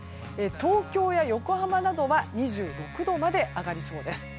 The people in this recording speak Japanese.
東京や横浜などは２６度まで上がるそうです。